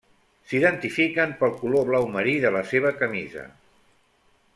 S'identifiquen pel color blau marí de la seva camisa.